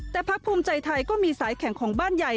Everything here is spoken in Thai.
แต่พักภูมิใจไทยก็มีสายแข่งของบ้านใหญ่